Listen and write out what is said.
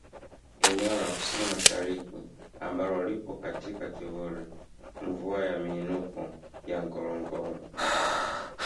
Eneo la KusiniMashariki ambalo lipo katika kivuli mvua ya miinuko ya Ngorongoro